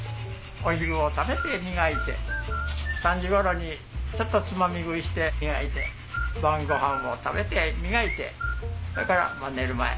お昼を食べて磨いて３時ごろにちょっとつまみ食いして磨いて晩ごはんを食べて磨いてそれから寝る前。